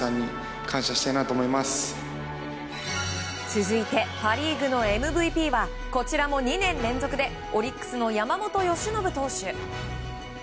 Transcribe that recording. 続いてパ・リーグのＭＶＰはこちらも２年連続でオリックスの山本由伸投手。